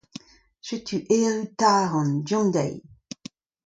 Setu erru Taran, deomp deï !